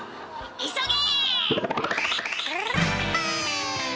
急げ！